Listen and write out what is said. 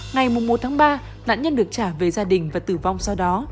ngày một ba nạn nhân được trả về gia đình và tử vong sau đó